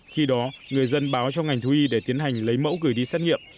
khi đó người dân báo cho ngành thú y để tiến hành lấy mẫu gửi đi xét nghiệm